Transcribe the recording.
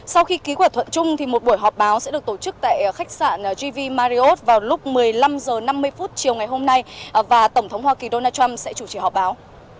sau khi ký quả thuận chung thì một buổi họp báo sẽ được tổ chức tại khách sạn gv marriott vào lúc một mươi năm h năm mươi chiều ngày hôm nay và tổng thống hoa kỳ donald trump sẽ chủ trì họp báo